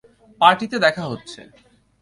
পার্টিতে দেখা হচ্ছে।